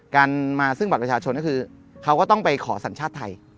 การมาซึ่งบัตรประชาชนก็คือเขาก็ต้องไปขอสัญชาติไทย